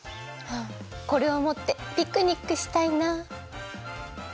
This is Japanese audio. あこれをもってピクニックしたいな。